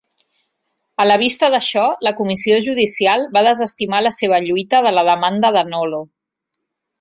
A la vista d'això, la comissió judicial va desestimar la seva lluita de la demanda de Nolo.